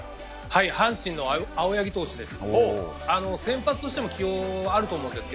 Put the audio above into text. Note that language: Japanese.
阪神の青柳投手です。